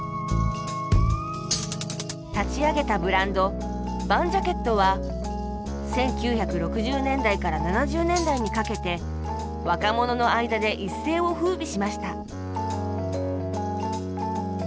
立ち上げたブランドＶＡＮヂャケットは１９６０年代から７０年代にかけて若者の間で一世をふうびしました